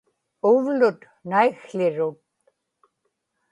uvlut naikł̣irut